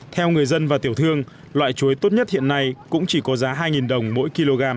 theo người dân và tiểu thương loại chuối tốt nhất hiện nay cũng chỉ có giá hai đồng mỗi kg